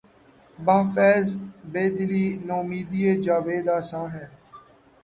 بہ فیض بیدلی نومیدیٴ جاوید آساں ہے